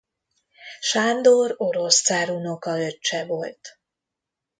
Sándor orosz cár unokaöccse volt.